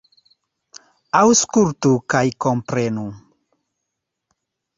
Aŭskultu kaj komprenu!